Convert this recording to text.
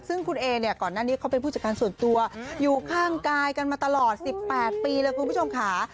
ซึ่งคุณเอเนี่ยก่อนหน้านี้เขาเป็นผู้จัดการส่วนตัวอยู่ข้างกายกันมาตลอด๑๘ปีเลยคุณผู้ชมค่ะ